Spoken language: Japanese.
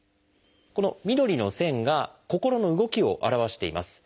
この緑の線が心の動きを表しています。